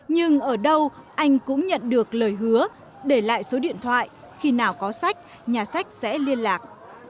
nhưng ở đâu anh cũng nhận được lời hứa để lại số điện thoại khi nào có sách nhà sách sẽ liên lạc